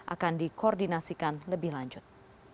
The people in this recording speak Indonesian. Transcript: akan dikoordinasikan lebih lanjut